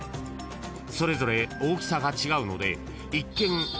［それぞれ大きさが違うので一見］